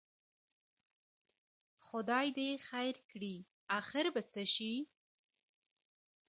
خدای دې خیر کړي، اخر به څه شي؟